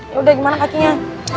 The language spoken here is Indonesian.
yaudah gimana kakinya